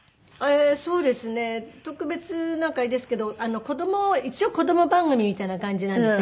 そうですね特別なんかあれですけど一応子ども番組みたいな感じなんですね